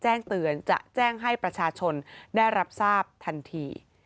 แจ้งเตือนจะแจ้งให้ประชาชนได้รับทราบทันที